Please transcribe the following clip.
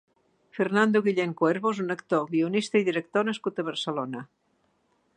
Fernando Guillén Cuervo és un actor, guionista i director nascut a Barcelona.